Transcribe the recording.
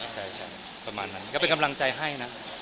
ใช่ประมาณนั้นก็เป็นกำลังใจให้นะ